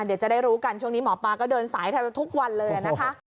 เดี๋ยวจะได้รู้กันช่วงนี้หมอปลาก็เดินสายแทบจะทุกวันเลยนะคะ